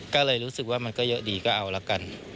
ก็เลยรู้สึกว่ามันก็เยอะดีก็เอาละกัน